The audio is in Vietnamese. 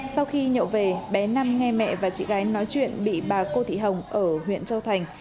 sau khi nhậu về bé năm nghe mẹ và chị gái nói chuyện bị bà cô thị hồng ở huyện châu thành